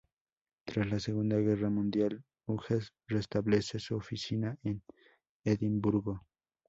Tras la Segunda Guerra Mundial, Hughes restablece su oficina en Edimburgo.